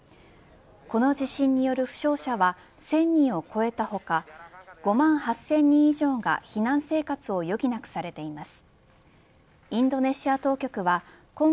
この地震による負傷者は１０００人を超えた他５万８０００人以上が避難生活を余儀なくされています。